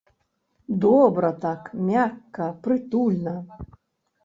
Добра так, мякка, прытульна.